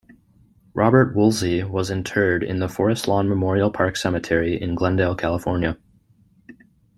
Robert Woolsey was interred in the Forest Lawn Memorial Park Cemetery in Glendale, California.